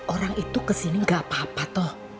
orang itu ke sini nggak apa apa toh